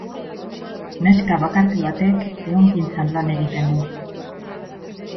Neska bakarti batek ehungintzan lan egiten du.